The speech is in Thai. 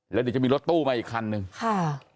แล้วเดี๋ยวจะมีรถตู้มาอีกคันหนึ่งค่ะ